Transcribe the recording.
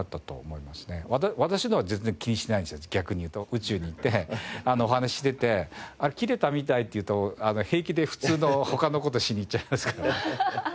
宇宙にいてお話ししてて「あっ切れたみたい」って言うと平気で普通の他の事をしに行っちゃいますから。